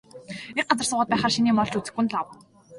Нэг газар суугаад байхаар шинэ юм олж үзэхгүй нь лав.